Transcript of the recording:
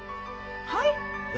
はい？